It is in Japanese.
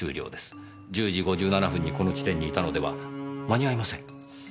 １０時５７分にこの地点にいたのでは間に合いません。